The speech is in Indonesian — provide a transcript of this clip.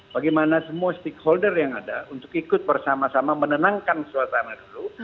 bagaimana semua stakeholder yang ada untuk ikut bersama sama menenangkan suasana dulu